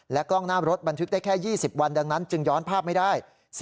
กล้องหน้ารถบันทึกได้แค่๒๐วันดังนั้นจึงย้อนภาพไม่ได้